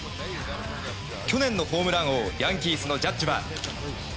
去年のホームラン王ヤンキースのジャッジは。